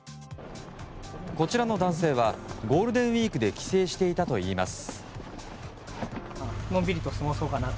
こちらの男性はゴールデンウィークで帰省していたといいます。